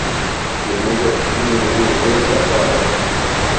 Yemmuger-d yiwen n wugur d aweɛṛan.